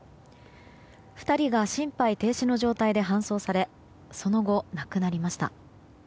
２人が心肺停止の状態で搬送されその後、亡くなりました。